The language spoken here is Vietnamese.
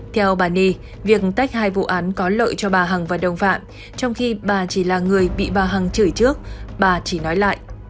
theo bà ni việc tách hai vụ án có lợi cho bà hằng và đồng phạm trong khi bà chỉ là người bị bà hằng chửi trước bà chỉ nói lại